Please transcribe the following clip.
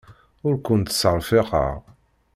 Ur kent-ttserfiqeɣ.